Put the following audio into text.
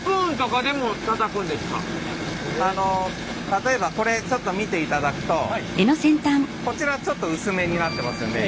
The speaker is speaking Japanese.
例えばこれちょっと見ていただくとこちらちょっと薄めになってますよね。